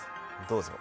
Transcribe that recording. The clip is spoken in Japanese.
どうぞ。